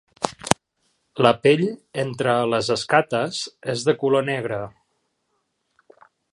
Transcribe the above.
La pell entre les escates és de color negre.